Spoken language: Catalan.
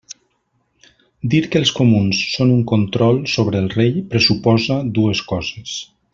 Dir que els comuns són un control sobre el rei pressuposa dues coses.